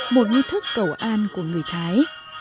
một nghi thức cầu an của người thái